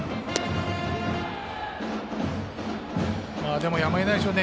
でもやむをえないでしょうね。